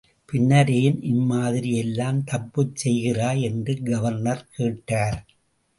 பின்னர் ஏன் இம்மாதிரி எல்லாம் தப்பு செய்கிறாய்? என்று கவர்னர் கேட்டார்.